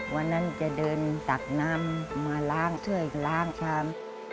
วันนั้นจะเดินตักน้ำมาล้างช่วยล้างชาม